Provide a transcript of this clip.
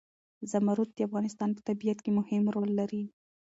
زمرد د افغانستان په طبیعت کې مهم رول لري.